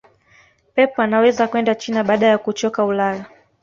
pep anaweza kwenda china baada ya kuchoka ulaya